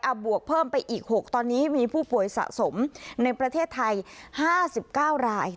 อ่ะบวกเพิ่มไปอีกหกตอนนี้มีผู้ป่วยสะสมในประเทศไทยห้าสิบเก้าราย